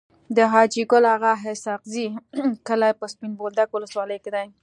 د حاجي ګل اغا اسحق زي کلی په سپين بولدک ولسوالی کي دی.